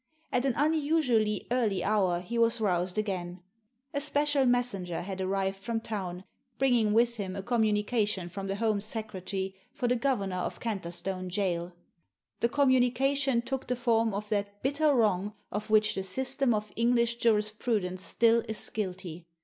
At an unusually early hour he was roused again. A special messenger had arrived from town, bringing with him •a communication from the Home Secretary for the governor of Canterstone Jail. The communication took the form of that bitter wrong of which the system of English jurisprudence still is guilty.